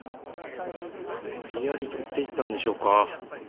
無理やり取っていったんでしょうか。